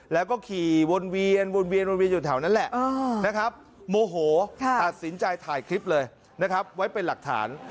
แล้วก็ขี่วนเวียนวนเวียนวนเวียนอยู่แถวนั้นแหละนะครับโมโหตัดสินใจถ่ายคลิปเลยนะครับไว้เป็นหลักฐาน